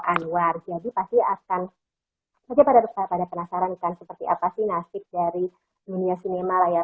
anwar jadi pasti akan saja pada pada penasaran kan seperti apa sih nasib dari dunia sinema layar